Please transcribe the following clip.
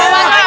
wah ini apa